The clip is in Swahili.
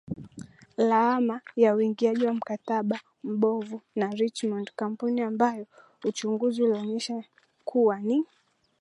lawama ya uingiaji wa mkataba mbovu na Richmond kampuni ambayo uchunguzi ulionyesha kuwa ni